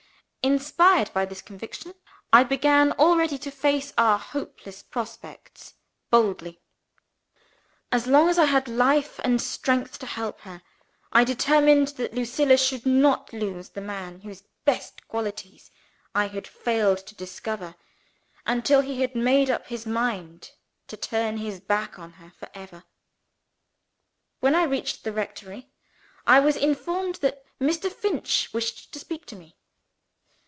Inspired by this conviction, I began already to face our hopeless prospects boldly. As long as I had life and strength to help her, I determined that Lucilla should not lose the man, whose best qualities I had failed to discover until he had made up his mind to turn his back on her for ever. When I reached the rectory, I was informed that Mr. Finch wished to speak to me.